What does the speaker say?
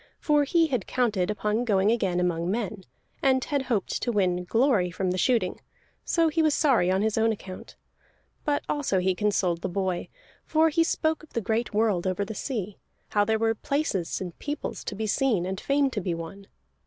For he had counted upon going again among men, and had hoped to win glory from the shooting, so he was sorry on his own account. But also he consoled the boy. For he spoke of the great world over the sea, how there were places and peoples to be seen, and fame to be won.